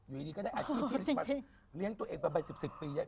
อยู่ดีก็ได้อาชีพที่เลี้ยงตัวเองไป๑๐๑๐ปี